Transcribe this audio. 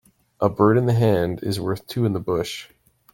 A bird in the hand is worth two in the bush.